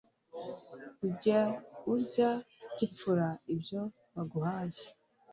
ujye urya gipfura ibyo baguhaye